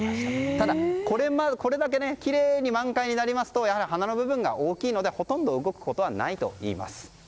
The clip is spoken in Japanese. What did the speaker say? ただ、これだけきれいに満開になりますと花の部分が大きいので、ほとんど動くことはないといいます。